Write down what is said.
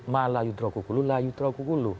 ma layutra kukulu layutra kukulu